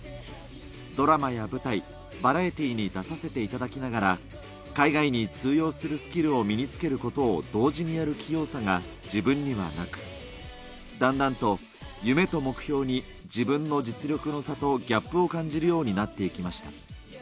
ドラマや舞台、バラエティーに出させていただきながら、海外に通用するスキルを身につけることを同時にやる器用さが自分にはなく、だんだんと夢と目標に自分の実力の差とギャップを感じるようになっていきました。